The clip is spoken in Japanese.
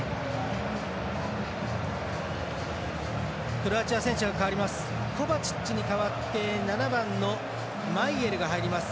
クロアチア、選手が代わります。